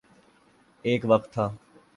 ایک وقت تھا۔